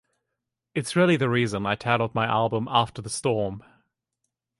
It's really the reason I titled my album "After the Storm".